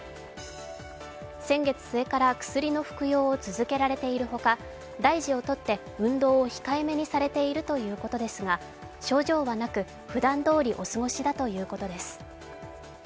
先月末から薬の服用を続けられているほか大事を取って運動を控えめにされているということですが、症状はなく、ふだんどおりお過ごしだということです。